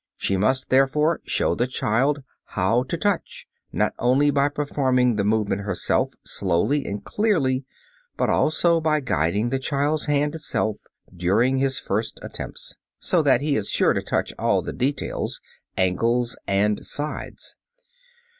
She must, therefore, show the child how to touch, not only by performing the movement herself slowly and clearly, but also by guiding the child's hand itself during his first attempts, so that he is sure to touch all the details angles and sides.